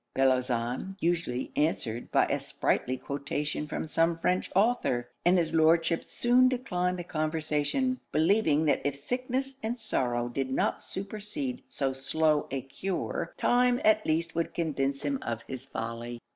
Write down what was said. Bellozane usually answered by a sprightly quotation from some French author, and his Lordship soon declined the conversation, believing that if sickness and sorrow did not supercede so slow a cure, time at least would convince him of his folly.